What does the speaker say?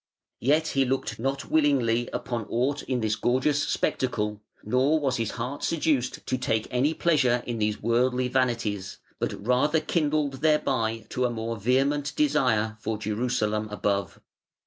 Yet he looked not willingly upon aught in this gorgeous spectacle, nor was his heart seduced to take any pleasure in these worldly vanities, but rather kindled thereby to a more vehement desire for Jerusalem above.